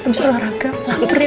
bisa olahraga lapar ya